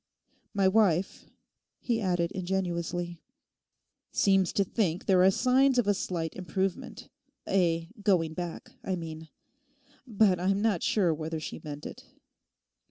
My wife,' he added ingenuously, 'seems to think there are signs of a slight improvement—a going back, I mean. But I'm not sure whether she meant it.